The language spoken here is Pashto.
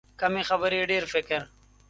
کمې خبرې، ډېر فکر.